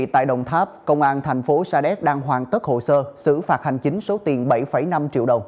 tại đồng tháp công an thành phố sa đéc đang hoàn tất hồ sơ xử phạt hành chính số tiền bảy năm triệu đồng